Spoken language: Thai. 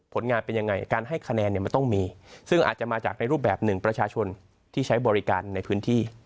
ผลงานเป็นยังไงการให้คะแนนเนี่ยมันต้องมีซึ่งอาจจะมาจากในรูปแบบหนึ่งประชาชนที่ใช้บริการในพื้นที่